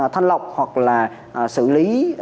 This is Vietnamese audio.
thanh lọc hoặc là xử lý